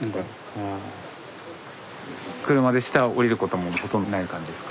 車で下下りることもほとんどない感じですか？